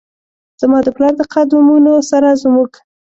زما د پلار د قد مونو سره زموږ،